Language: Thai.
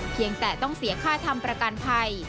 เพียงแต่ต้องเสียค่าทำประกันภัย